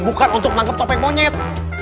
bukan untuk menangkap topeng monyet